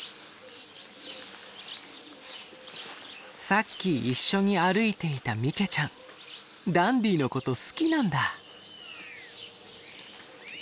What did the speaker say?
さっき一緒に歩いていた三毛ちゃんダンディーのこと好きなんだ。